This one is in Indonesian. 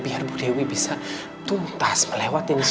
biar bu dewi bisa tuntas melewati